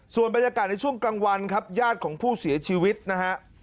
ส่วนบรรยากาศในช่วงกลางวันครับญาติของผู้เสียชีวิตนะฮะ